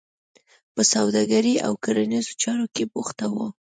په سوداګرۍ او کرنیزو چارو کې بوخته وه.